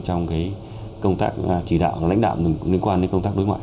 trong công tác chỉ đạo và lãnh đạo